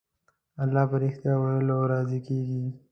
الله په رښتيا ويلو راضي کېږي.